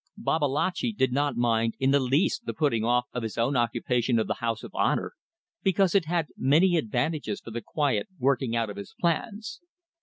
Babalatchi did not mind in the least the putting off of his own occupation of the house of honour, because it had many advantages for the quiet working out of his plans.